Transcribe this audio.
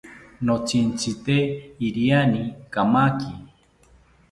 Notzitzite iriani kamaki